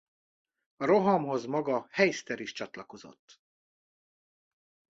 A rohamhoz maga Heister is csatlakozott.